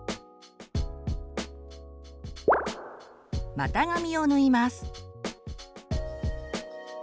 股上を縫います。